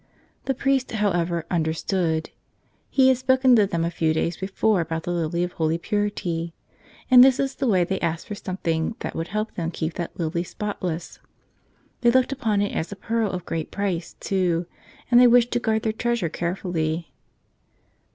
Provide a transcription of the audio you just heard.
The priest, however, understood. He had spoken to them a few days before about the lily of holy purity. And this is the way they asked for something that would help them keep that lily spot¬ less. They looked upon it as a pearl of great price, too, and they wished to guard their treasure carefully.